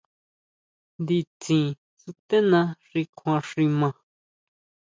Nditsin stená xi kjuan xi maa.